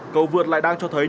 cầu vượt lại đang cho thấy